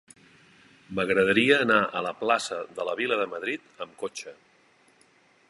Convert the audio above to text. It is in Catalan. M'agradaria anar a la plaça de la Vila de Madrid amb cotxe.